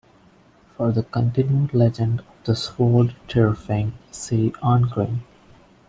For the continued legend of the sword Tyrfing, see Arngrim.